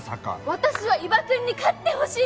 私は伊庭くんに勝ってほしいの！